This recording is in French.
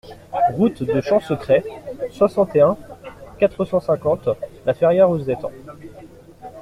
Route de Champsecret, soixante et un, quatre cent cinquante La Ferrière-aux-Étangs